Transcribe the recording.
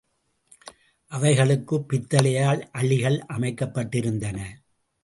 அவைகளுக்குப் பித்தளையால் அழிகள் அமைக்கப்பட்டிருந்தன.